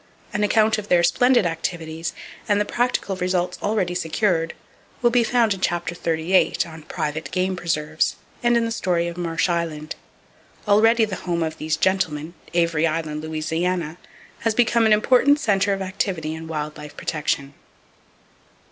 An account of their splendid activities, and the practical results already secured, will be found in Chapter XXXVIII, on "Private Game Preserves," and in the story of Marsh Island. Already the home of these gentlemen, Avery Island, Louisiana, has become an important center of activity in wild life protection.